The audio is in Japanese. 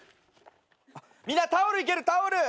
あっみんなタオルいけるタオル。